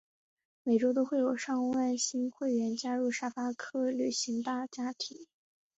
每周都有上万新会员加入沙发客旅行大家庭。